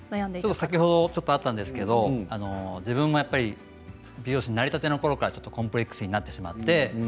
さっきちょっとあったんですけれども自分が美容師になりたてのころからちょっとコンプレックスになってしまって。